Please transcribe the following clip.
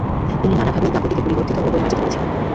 তিনি নানাভাবে এই কাব্যটিকে পরিবর্ধিত ও পরিমার্জিত করেছিলেন।